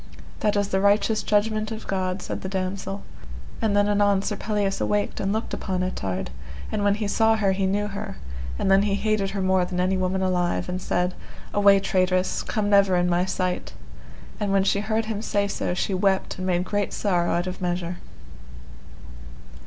That is the righteous judgment of God, said the damosel. And then anon Sir Pelleas awaked and looked upon Ettard; and when he saw her he knew her, and then he hated her more than any woman alive, and said: Away, traitress, come never in my sight. And when she heard him say so, she wept and made great sorrow out of measure.